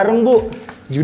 aku mau ke rumah